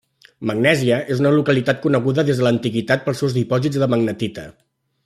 Magnèsia és una localitat coneguda des de l'antiguitat pels seus dipòsits de magnetita.